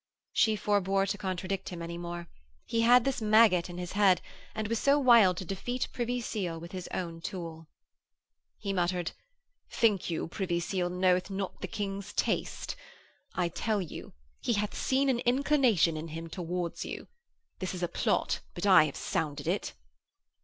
She forbore to contradict him any more; he had this maggot in his head, and was so wild to defeat Privy Seal with his own tool. He muttered: 'Think you Privy Seal knoweth not the King's taste? I tell you he hath seen an inclination in him towards you. This is a plot, but I have sounded it!'